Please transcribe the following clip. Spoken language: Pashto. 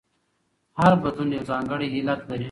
هر بدلون یو ځانګړی علت لري.